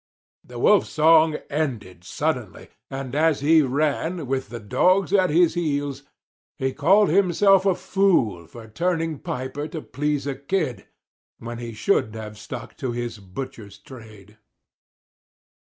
The Wolf's song ended suddenly, and as he ran, with the Dogs at his heels, he called himself a fool for turning piper to please a Kid, when he should have stuck to his butcher's trade.